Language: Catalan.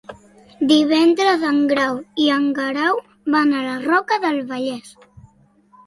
Divendres en Grau i en Guerau van a la Roca del Vallès.